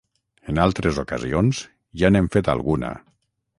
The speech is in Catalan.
En altres ocasions ja n'hem fet alguna